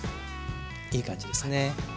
いい感じですね。